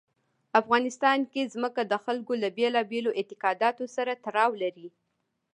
افغانستان کې ځمکه د خلکو له بېلابېلو اعتقاداتو سره تړاو لري.